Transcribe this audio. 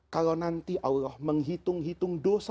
kalau nanti allah menghitung dengan yakinnya